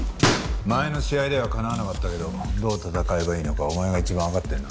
前の試合ではかなわなかったけどどう戦えばいいのかお前が一番わかってるな。